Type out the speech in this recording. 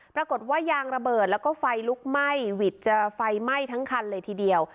ปรากฏว่ายางระเบิดแล้วก็ไฟลุกไหม้หวิดจะไฟไหม้ทั้งคันเลยทีเดียว